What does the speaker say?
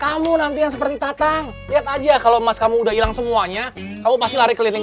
kamu nanti yang seperti tatang lihat aja kalau emas kamu udah hilang semuanya kamu pasti lari keliling